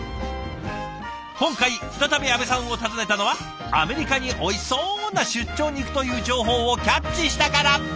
今回再び阿部さんを訪ねたのはアメリカにおいしそうな出張に行くという情報をキャッチしたから。